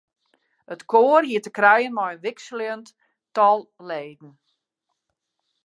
It koar hie te krijen mei in wikseljend tal leden.